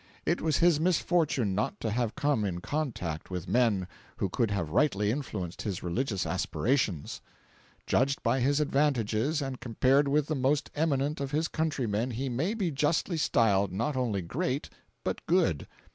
It was his misfortune not to have come in contact with men who could have rightly influenced his religious aspirations. Judged by his advantages and compared with the most eminent of his countrymen he may be justly styled not only great, but good.